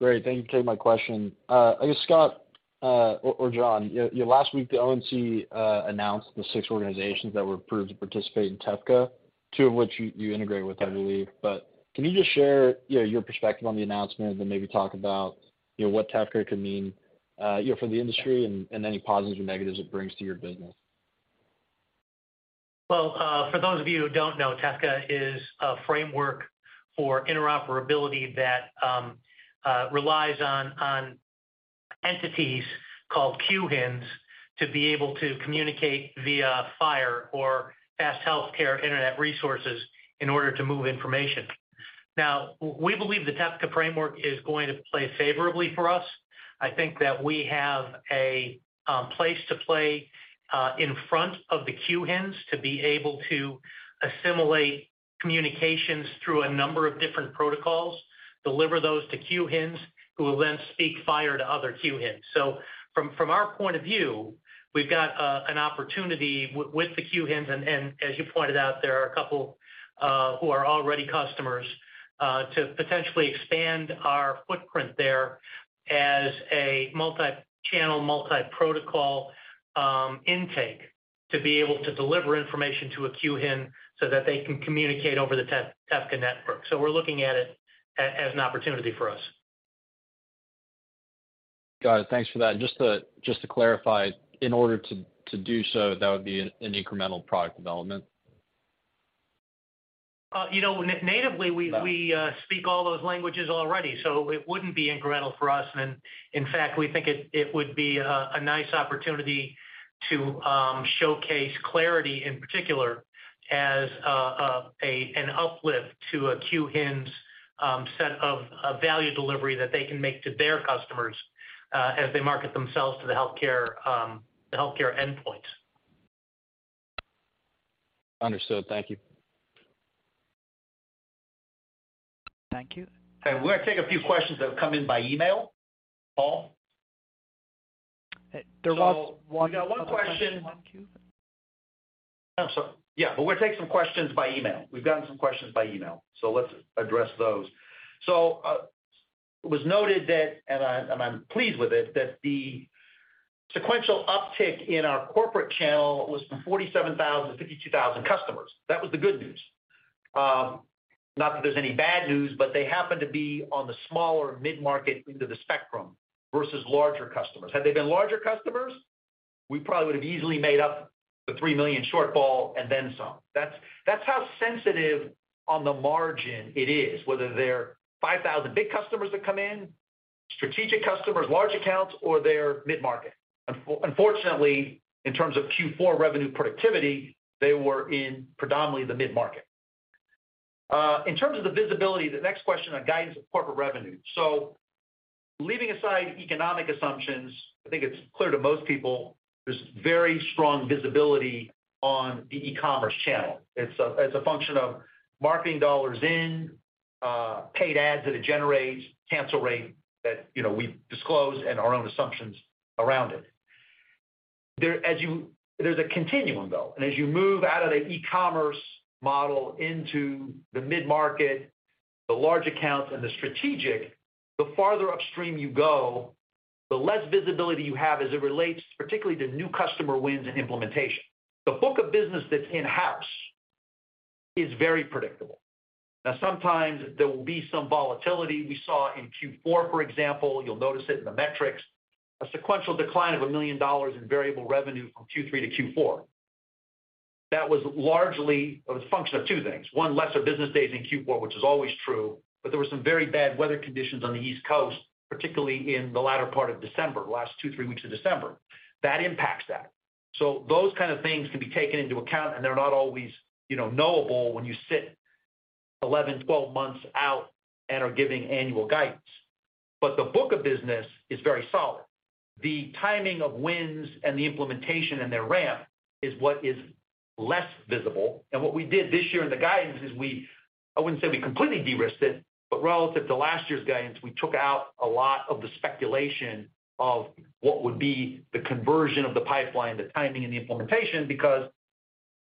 Great. Thank you for taking my question. I guess, Scott, or John, you know, last week, the ONC announced the 6 organizations that were approved to participate in TEFCA, 2 of which you integrate with, I believe. Can you just share, you know, your perspective on the announcement, then maybe talk about, you know, what TEFCA could mean, you know, for the industry and any positives or negatives it brings to your business? Well, for those of you who don't know, TEFCA is a framework for interoperability that relies on entities called QHINs to be able to communicate via FHIR or Fast Healthcare Interoperability Resources in order to move information. We believe the TEFCA framework is going to play favorably for us. I think that we have a place to play in front of the QHINs to be able to assimilate communications through a number of different protocols, deliver those to QHINs, who will then speak FHIR to other QHINs. From our point of view, we've got an opportunity with the QHINs, and as you pointed out, there are a couple who are already customers, to potentially expand our footprint there as a multichannel, multiprotocol intake to be able to deliver information to a QHIN so that they can communicate over the TEFCA network. We're looking at it as an opportunity for us. Got it. Thanks for that. Just to clarify, in order to do so that would be an incremental product development? You know. Yeah. we speak all those languages already, so it wouldn't be incremental for us. In fact, we think it would be a nice opportunity to showcase Clarity in particular as an uplift to a QHIN's set of value delivery that they can make to their customers as they market themselves to the healthcare the healthcare endpoints. Understood. Thank you. Thank you. We're gonna take a few questions that have come in by email. Paul? There was one other question in the queue. I'm sorry. Yeah. We'll take some questions by email. We've gotten some questions by email, let's address those. It was noted that, and I, and I'm pleased with it, that the sequential uptick in our corporate channel was from 47,000 to 52,000 customers. That was the good news. Not that there's any bad news, they happen to be on the smaller mid-market end of the spectrum versus larger customers. Had they been larger customers, we probably would have easily made up the $3 million shortfall and then some. That's how sensitive on the margin it is, whether they're 5,000 big customers that come in, strategic customers, large accounts, or they're mid-market. Unfortunately, in terms of Q4 revenue productivity, they were in predominantly the mid-market. In terms of the visibility, the next question on guidance of corporate revenue. Leaving aside economic assumptions, I think it's clear to most people there's very strong visibility on the e-commerce channel. It's a function of marketing dollars in paid ads that it generates, cancel rate that, you know, we've disclosed and our own assumptions around it. There's a continuum though, and as you move out of the e-commerce model into the mid-market, the large accounts and the strategic, the farther upstream you go, the less visibility you have as it relates particularly to new customer wins and implementation. The book of business that's in-house is very predictable. Sometimes there will be some volatility. We saw in Q4, for example, you'll notice it in the metrics, a sequential decline of $1 million in variable revenue from Q3 to Q4. That was largely. It was a function of two things. One, lesser business days in Q4, which is always true, but there were some very bad weather conditions on the East Coast, particularly in the latter part of December, the last two, three weeks of December. That impacts that. Those kind of things can be taken into account and they're not always, you know, knowable when you sit 11, 12 months out and are giving annual guidance. The book of business is very solid. The timing of wins and the implementation and their ramp is what is less visible. What we did this year in the guidance is we, I wouldn't say we completely de-risked it, but relative to last year's guidance, we took out a lot of the speculation of what would be the conversion of the pipeline, the timing and the implementation, because,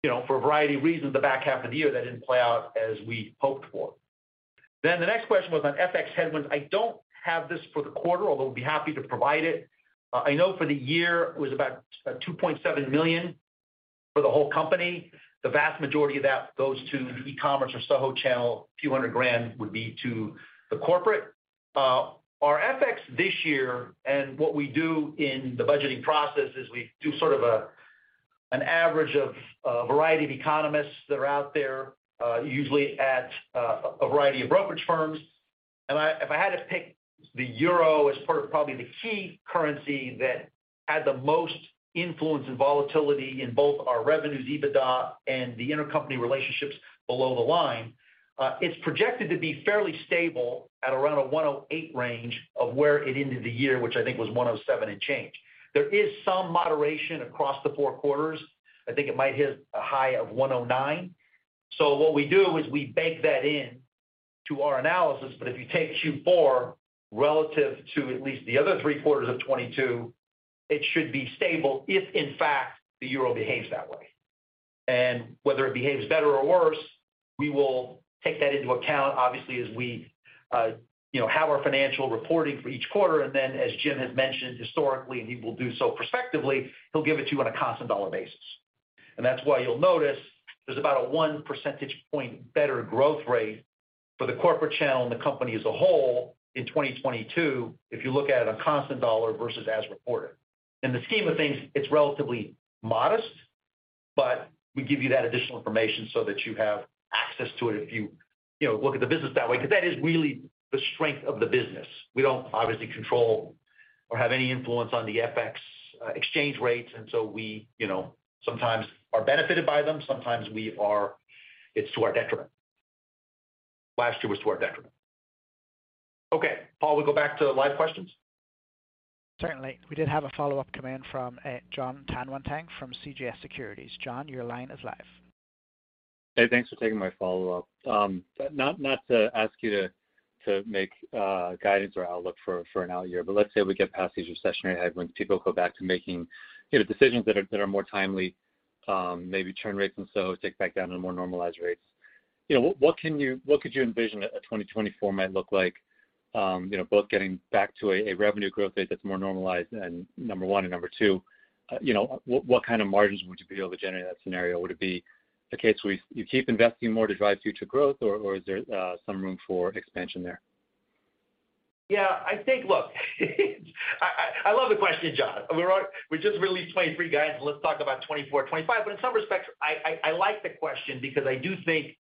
you know, for a variety of reasons, the back half of the year, that didn't play out as we hoped for. The next question was on FX headwinds. I don't have this for the quarter, although we'd be happy to provide it. I know for the year it was about $2.7 million for the whole company. The vast majority of that goes to the e-commerce or SoHo channel. A few hundred grand would be to the corporate. Our FX this year and what we do in the budgeting process is we do sort of a, an average of a variety of economists that are out there, usually at a variety of brokerage firms. If I had to pick the euro as part of probably the key currency that had the most influence and volatility in both our revenues, EBITDA and the intercompany relationships below the line, it's projected to be fairly stable at around a 1.08 range of where it ended the year, which I think was 1.07 and change. There is some moderation across the four quarters. I think it might hit a high of 1.09. What we do is we bake that in to our analysis. If you take Q4 relative to at least the other three quarters of 2022, it should be stable if, in fact, the euro behaves that way. Whether it behaves better or worse, we will take that into account obviously as we, you know, have our financial reporting for each quarter. Then as Jim has mentioned historically, and he will do so prospectively, he'll give it to you on a constant dollar basis. That's why you'll notice there's about a 1 percentage point better growth rate. For the corporate channel and the company as a whole in 2022, if you look at it on constant dollar versus as reported. In the scheme of things it's relatively modest. We give you that additional information so that you have access to it if you know, look at the business that way, because that is really the strength of the business. We don't obviously control or have any influence on the FX exchange rates. We, you know, sometimes are benefited by them, sometimes we are. It's to our detriment. Last year was to our detriment. Okay. Paul, we'll go back to live questions. Certainly. We did have a follow-up come in from John Tanwanteng from CJS Securities. John, your line is live. Hey, thanks for taking my follow-up. Not to ask you to make guidance or outlook for an out year, but let's say we get past these recessionary headwinds, people go back to making, you know, decisions that are more timely, maybe churn rates and so tick back down to more normalized rates. You know, what could you envision a 2024 might look like, you know, both getting back to a revenue growth rate that's more normalized and number 1, and number 2, you know, what kind of margins would you be able to generate in that scenario? Would it be a case where you keep investing more to drive future growth or is there some room for expansion there? Yeah. I think. Look, I love the question, John. We just released 2023 guidance, let's talk about 2024, 2025. In some respects I like the question because I do think,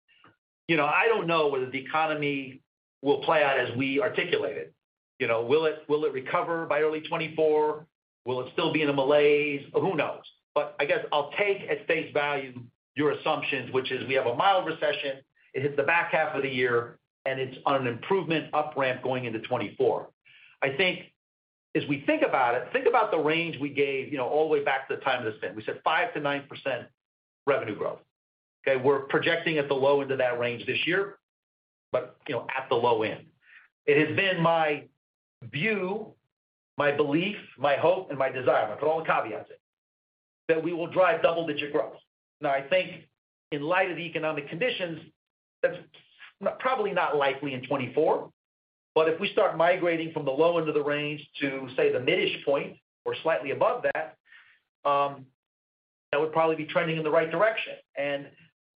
you know, I don't know whether the economy will play out as we articulate it. You know, will it recover by early 2024? Will it still be in a malaise? Who knows? I guess I'll take at face value your assumptions, which is we have a mild recession, it hits the back half of the year, and it's on an improvement up ramp going into 2024. I think as we think about it, think about the range we gave, you know, all the way back to the time of the spin. We said 5%-9% revenue growth, okay? We're projecting at the low end of that range this year, you know, at the low end. It has been my view, my belief, my hope, and my desire, I put all the caveats in, that we will drive double-digit growth. I think in light of the economic conditions, that's probably not likely in 2024, but if we start migrating from the low end of the range to, say, the mid-ish point or slightly above that would probably be trending in the right direction.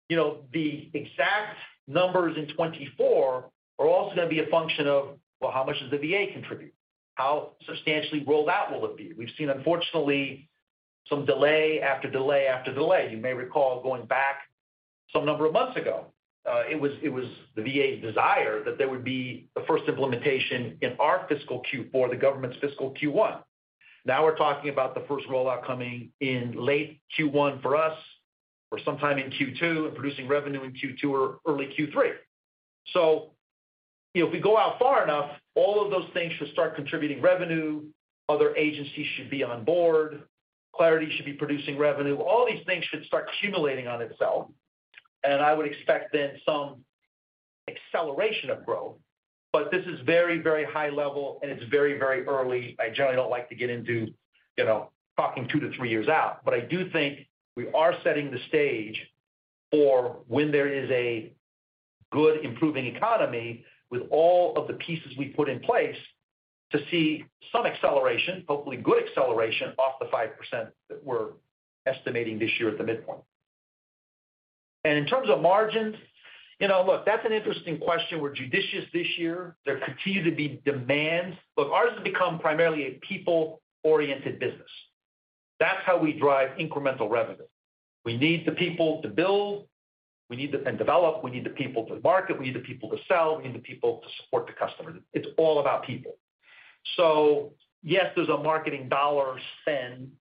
You know, the exact numbers in 2024 are also gonna be a function of, well, how much does the VA contribute? How substantially rolled out will it be? We've seen unfortunately some delay after delay after delay. You may recall going back some number of months ago, it was the VA's desire that there would be the first implementation in our fiscal Q4, the government's fiscal Q1. Now we're talking about the first rollout coming in late Q1 for us or sometime in Q2, and producing revenue in Q2 or early Q3. You know, if we go out far enough, all of those things should start contributing revenue, other agencies should be on board, Clarity should be producing revenue. All these things should start accumulating on itself, and I would expect then some acceleration of growth. But this is very, very high level and it's very, very early. I generally don't like to get into, you know, talking two to three years out. I do think we are setting the stage for when there is a good improving economy with all of the pieces we've put in place to see some acceleration, hopefully good acceleration, off the 5% that we're estimating this year at the midpoint. In terms of margins, you know, look, that's an interesting question. We're judicious this year. There continue to be demands. Look, ours has become primarily a people-oriented business. That's how we drive incremental revenue. We need the people to build, and develop, we need the people to market, we need the people to sell, we need the people to support the customer. It's all about people. Yes, there's a marketing dollar spend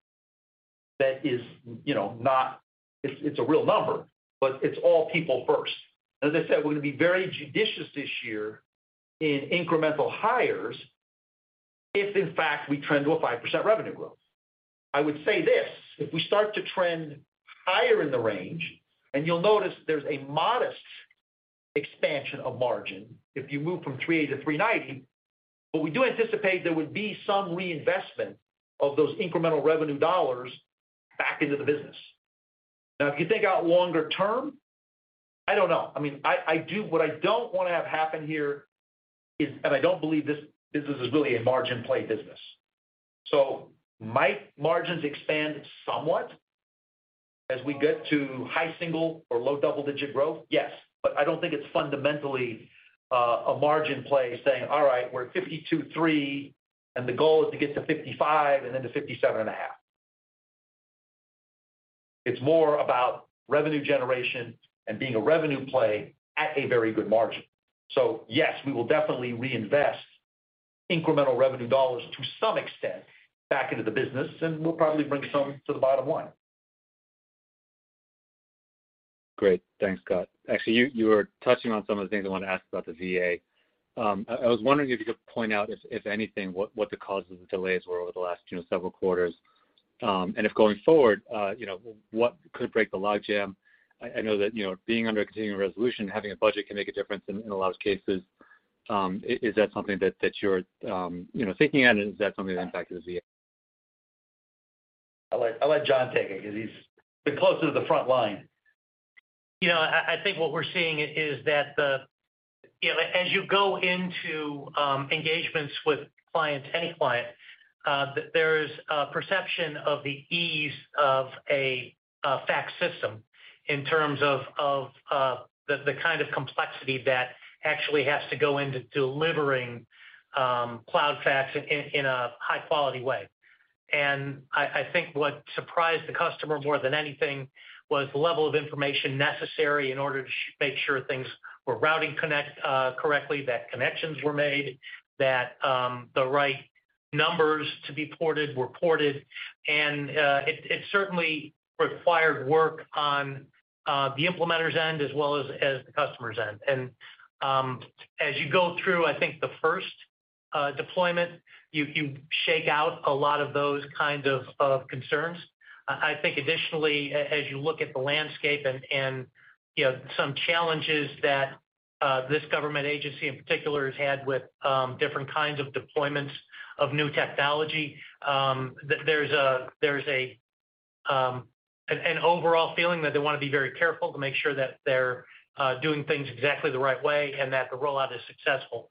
that is, you know, it's a real number, but it's all people first. As I said, we're gonna be very judicious this year in incremental hires if in fact we trend to a 5% revenue growth. I would say this, if we start to trend higher in the range, and you'll notice there's a modest expansion of margin if you move from 3.8% to 3.9%. We do anticipate there would be some reinvestment of those incremental revenue dollars back into the business. If you think out longer term, I don't know. I mean, I do what I don't wanna have happen here is. I don't believe this business is really a margin play business. Might margins expand somewhat as we get to high single or low double-digit growth? Yes. I don't think it's fundamentally a margin play saying, "All right, we're at 52.3%, and the goal is to get to 55% and then to 57.5%." It's more about revenue generation and being a revenue play at a very good margin. Yes, we will definitely reinvest incremental revenue dollars to some extent back into the business, and we'll probably bring some to the bottom line. Great. Thanks, Scott. Actually, you were touching on some of the things I want to ask about the VA. I was wondering if you could point out if anything, what the causes of the delays were over the last, you know, several quarters. If going forward, you know, what could break the logjam? I know that, you know, being under a continuing resolution, having a budget can make a difference in a lot of cases. Is that something that you're, you know, thinking at? And is that something that impacted the VA? I'll let John take it 'cause he's the closer to the front line. You know, I think what we're seeing is that you know, as you go into engagements with clients. There's a perception of the ease of a fax system in terms of the kind of complexity that actually has to go into delivering Cloud Fax in a high quality way. I think what surprised the customer more than anything was the level of information necessary in order to make sure things were routing correctly, that connections were made, that the right numbers to be ported were ported. It certainly required work on the implementer's end as well as the customer's end. As you go through, I think the first deployment, you shake out a lot of those kind of concerns I think additionally, as you look at the landscape and, you know, some challenges that this government agency in particular has had with different kinds of deployments of new technology, there's a an overall feeling that they wanna be very careful to make sure that they're doing things exactly the right way and that the rollout is successful.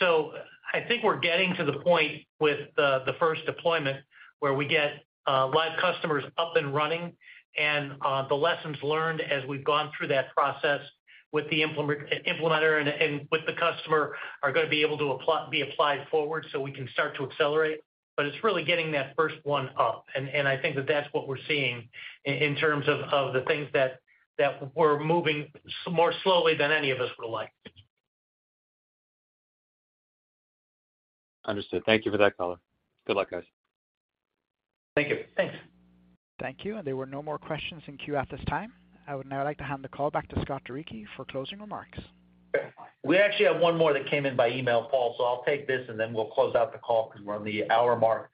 I think we're getting to the point with the first deployment where we get live customers up and running, and the lessons learned as we've gone through that process with the implementer and with the customer are gonna be able to be applied forward so we can start to accelerate. It's really getting that first one up, and I think that that's what we're seeing in terms of the things that we're moving more slowly than any of us would like. Understood. Thank you for that color. Good luck, guys. Thank you. Thanks. Thank you. There were no more questions in queue at this time. I would now like to hand the call back to Scott Turicchi for closing remarks. We actually have one more that came in by email, Paul. I'll take this, and then we'll close out the call 'cause we're on the hour mark.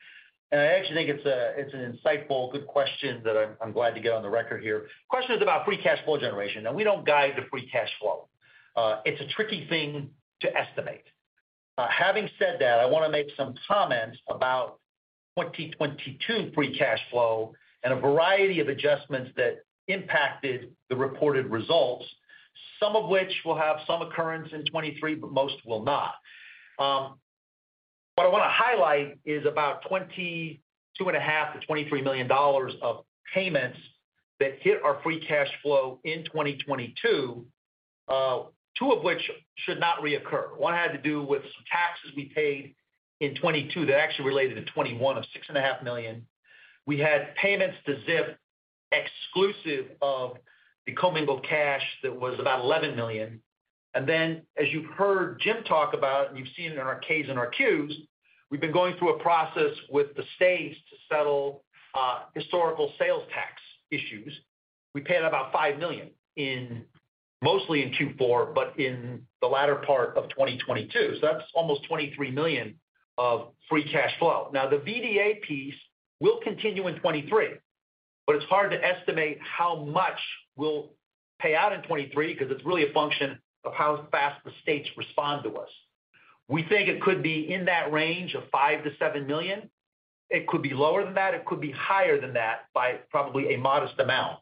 I actually think it's an insightful, good question that I'm glad to get on the record here. Question is about free cash flow generation. We don't guide the free cash flow. It's a tricky thing to estimate. Having said that, I wanna make some comments about 2022 free cash flow and a variety of adjustments that impacted the reported results, some of which will have some occurrence in 2023, but most will not. What I wanna highlight is about $22.5 million-$23 million of payments that hit our free cash flow in 2022, 2 of which should not reoccur. One had to do with some taxes we paid in 2022 that actually related to 2021 of $6.5 million. We had payments to Zip exclusive of the commingled cash that was about $11 million. As you've heard Jim talk about, and you've seen in our K's and our Q's, we've been going through a process with the states to settle historical sales tax issues. We paid about $5 million in mostly in Q4, but in the latter part of 2022. That's almost $23 million of free cash flow. The VDA piece will continue in 2023, but it's hard to estimate how much will pay out in 2023 'cause it's really a function of how fast the states respond to us. We think it could be in that range of $5 million-$7 million. It could be lower than that, it could be higher than that by probably a modest amount.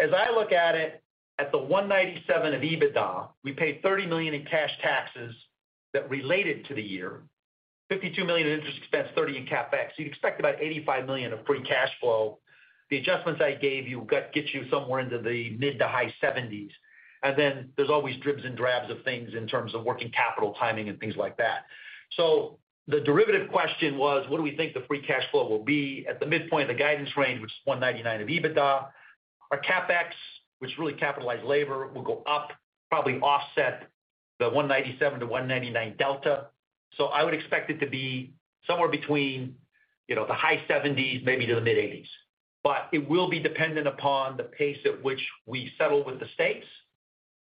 As I look at it, at the 197 of EBITDA, we paid $30 million in cash taxes that related to the year, $52 million in interest expense, $30 in CapEx. You'd expect about $85 million of free cash flow. The adjustments I gave you gets you somewhere into the mid-to-high $70s. Then there's always dribs and drabs of things in terms of working capital timing and things like that. The derivative question was, what do we think the free cash flow will be at the midpoint of the guidance range, which is 199 of EBITDA? Our CapEx, which really capitalized labor, will go up, probably offset the 197-199 delta. I would expect it to be somewhere between, you know, the high 70s maybe to the mid-80s. It will be dependent upon the pace at which we settle with the states.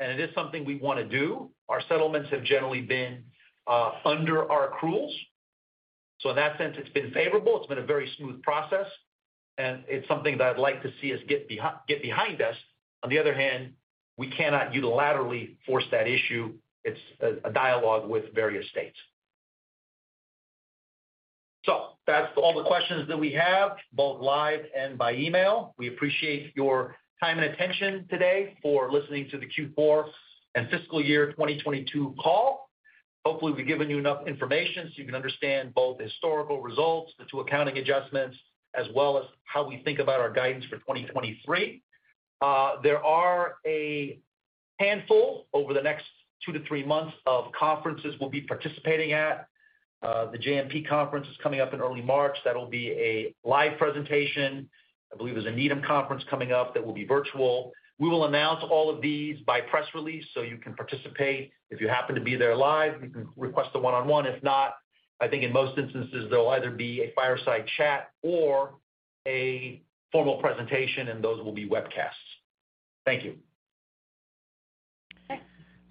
It is something we wanna do. Our settlements have generally been under our accruals. In that sense, it's been favorable. It's been a very smooth process. It's something that I'd like to see us get behind us. On the other hand, we cannot unilaterally force that issue. It's a dialogue with various states. That's all the questions that we have both live and by email. We appreciate your time and attention today for listening to the Q4 and fiscal year 2022 call. Hopefully, we've given you enough information so you can understand both historical results, the 2 accounting adjustments, as well as how we think about our guidance for 2023. There are a handful over the next 2 to 3 months of conferences we'll be participating at. The JMP conference is coming up in early March. That'll be a live presentation. I believe there's a Needham conference coming up that will be virtual. We will announce all of these by press release so you can participate. If you happen to be there live, you can request a one-on-one. If not, I think in most instances, there'll either be a fireside chat or a formal presentation, and those will be webcasts. Thank you. Thanks.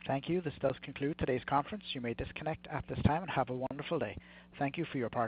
Thank you. This does conclude today's conference. You may disconnect at this time, and have a wonderful day. Thank you for your participation.